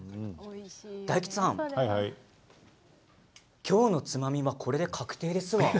大吉さん、今日のつまみはこれで確定ですわ。